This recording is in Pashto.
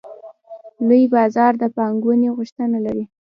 لوی بازار د پانګونې غوښتنه لري.